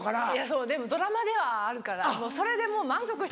そうでもドラマではあるからそれでもう満足してる。